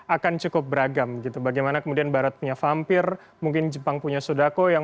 akan cukup beragam gitu bagaimana kemudian barat punya vampir mungkin jepang punya sodako yang